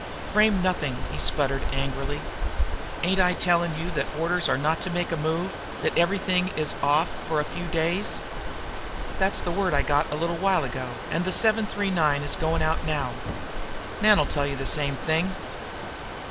"Frame nothing!" he spluttered angrily. "Ain't I tellin' you that the orders are not to make a move, that everything is off for a few days? That's the word I got a little while ago, and the Seven Three Nine is goin' out now. Nan'll tell you the same thing."